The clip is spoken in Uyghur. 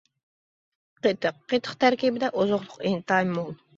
قېتىق : قېتىق تەركىبىدە ئوزۇقلۇق ئىنتايىن مول.